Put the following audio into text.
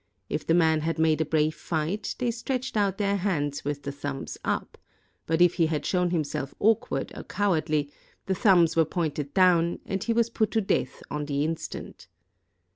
If the man had made a brave fight, they stretched out their hands with the thumbs up; but if he had shown himself awkward or cowardly, the thumbs were pointed down, and he was put to death on the instant.